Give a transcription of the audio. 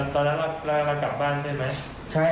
ตอนนั้นเรากลับบ้านใช่ไหม